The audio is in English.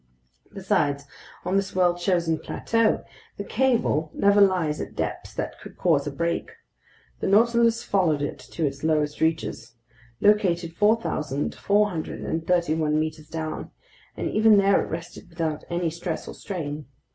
Besides, on this well chosen plateau, the cable never lies at depths that could cause a break. The Nautilus followed it to its lowest reaches, located 4,431 meters down, and even there it rested without any stress or strain.